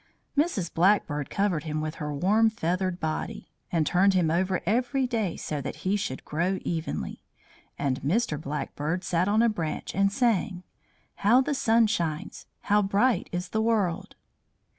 Mrs. Blackbird covered him with her warm feathered body, and turned him over every day so that he should grow evenly; and Mr. Blackbird sat on a branch and sang: "How the sun shines! How bright is the world!"